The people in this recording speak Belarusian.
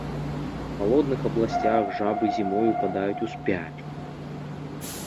У халодных абласцях жабы зімой ўпадаюць у спячку.